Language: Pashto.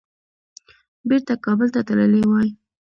بیرته کابل ته تللي وای.